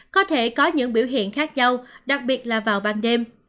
có thể có những biểu hiện khác nhau đặc biệt là vào ban đêm